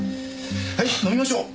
はい飲みましょう！